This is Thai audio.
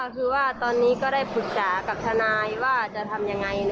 คือว่าตอนนี้ก็ได้ปรึกษากับทนายว่าจะทำยังไง